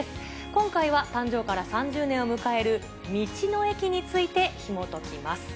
今回は、誕生から３０年を迎える道の駅についてひもときます。